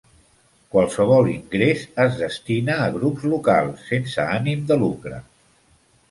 Qualsevol ingrés es destina a grups locals sense ànim de lucre.